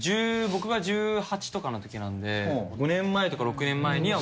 僕が１８とかの時なんで５年前とか６年前には。